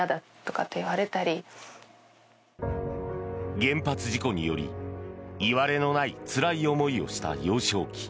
原発事故によりいわれのないつらい思いをした幼少期。